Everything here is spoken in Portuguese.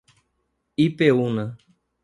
Ipeúna